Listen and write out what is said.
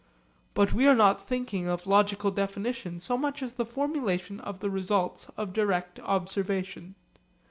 But we are not thinking of logical definition so much as the formulation of the results of direct observation.